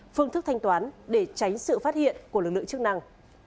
phương thức thanh toán để tránh sự phát hiện của lực lượng chức năng